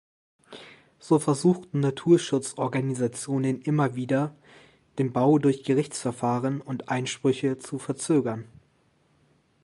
So versuchten Naturschutzorganisationen immer wieder, den Bau durch Gerichtsverfahren und Einsprüche zu verzögern.